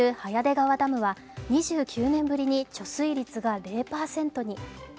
川ダムは２９年ぶりに貯水率が０％に。